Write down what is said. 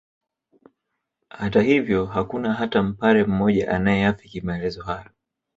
Hata hivyo hakuna hata Mpare mmoja anayeafiki maelezo hayo